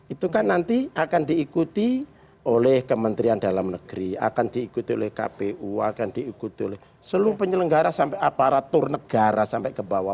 itu kan nanti akan diikuti oleh kementerian dalam negeri akan diikuti oleh kpu akan diikuti oleh seluruh penyelenggara sampai aparatur negara sampai ke bawah